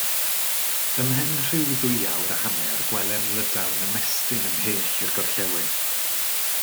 Ymhen rhyw ddwy awr a hanner gwelem Lydaw'n ymestyn ymhell i'r gorllewin.